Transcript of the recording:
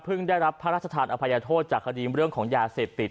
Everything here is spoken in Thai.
พึ่งได้รับพระราชศาสตร์อภัยโทษจากคดีมเรื่องของยาเสติด